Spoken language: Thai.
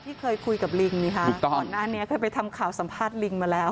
ที่เคยคุยกับลิงนี่ค่ะก่อนหน้านี้เคยไปทำข่าวสัมภาษณ์ลิงมาแล้ว